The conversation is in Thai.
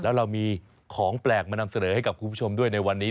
แล้วเรามีของแปลกมานำเสนอให้กับคุณผู้ชมด้วยในวันนี้